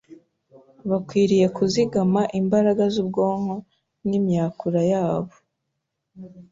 bakwiriye kuzigama imbaraga z’ubwonko n’imyakura yabo.